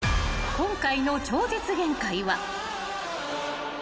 ［今回の『超絶限界』は］